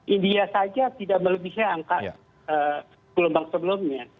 india saja tidak melebihi angka gelombang sebelumnya